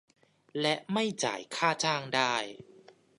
และไม่จ่ายค่าจ้างได้